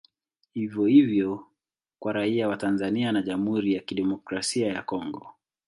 Hivyo hivyo kwa raia wa Tanzania na Jamhuri ya kidemokrasia ya Congo